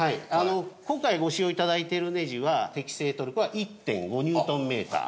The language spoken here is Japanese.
今回ご使用頂いているネジは適正トルクは１．５ニュートンメーター。